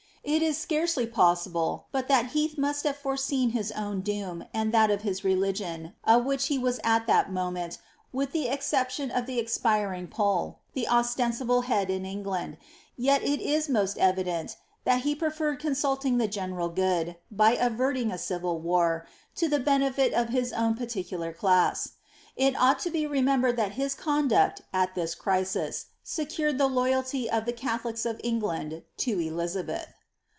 It is scarcely possible, but that Heath must have foreseen his own doom, and that of his religion, of which he was at that moment, with the exception of the expiring Pole, the ostensible head in England, vet it is most evident, that he preferred consulting the general good, by averting a civil war, to the benefit of his own particular class. It ought to be remembered that his conduct, at this crisis, secured the loyalty of tlie Catholics of England to Elizabeth.